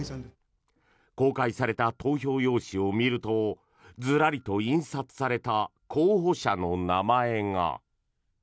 公開された投票用紙を見るとずらりと印刷された候補者の名前が。